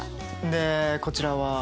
でこちらは？